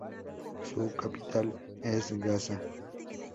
Su capital es Gasa.